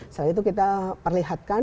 setelah itu kita perlihatkan